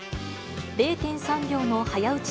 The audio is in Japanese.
０．３秒の早撃ち